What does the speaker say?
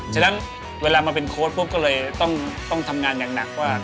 ฉะนั้นเวลามาเป็นโค้ดปุ๊บก็เลยต้องทำงานอย่างหนักว่า